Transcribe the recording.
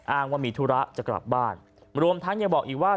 อ้างว่ามีธุระจะกลับบ้านรวมทั้งยังบอกอีกว่า